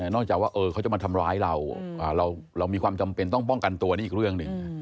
นอกจากว่าเขาจะมาทำร้ายเราเรามีความจำเป็นต้องป้องกันตัวนี่อีกเรื่องหนึ่ง